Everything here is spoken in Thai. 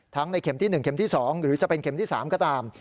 ในเข็มที่๑เข็มที่๒หรือจะเป็นเข็มที่๓ก็ตาม